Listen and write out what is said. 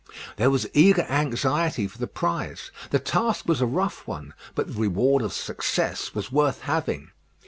There was eager anxiety for the prize; the task was a rough one, but the reward of success was worth having.